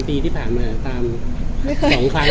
๓ปีที่ผ่านมาลูกเติม๒ครั้งได้มั้ง